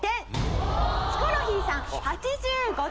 ヒコロヒーさん８５点。